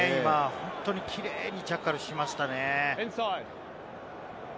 本当にキレイにジャッカルしましたね。